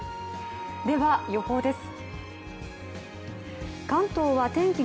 では予報です。